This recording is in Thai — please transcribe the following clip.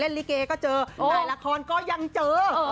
ในรายละครก็ยังเจอ